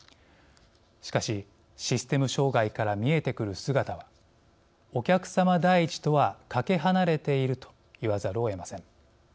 しかし、システム障害から見えてくる姿はお客さま第一とはかけ離れていると言わざるをえません。